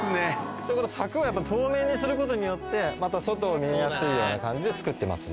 それこそ柵をやっぱ透明にすることによってまた外を見えやすいような感じで作ってますね。